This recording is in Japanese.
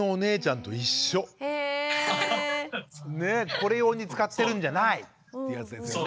これ用に使ってるんじゃないっていうやつですよね。